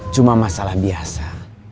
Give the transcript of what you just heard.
cuma masalah biasa